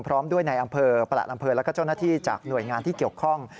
พร้อมด้วยในอำเภอประหลัดอำเภอแล้วก็เจ้าหน้าที่จากหน่วยงานที่เกี่ยวข้อง